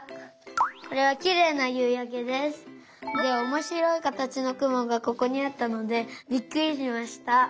これはきれいなゆうやけです。でおもしろいかたちのくもがここにあったのでびっくりしました。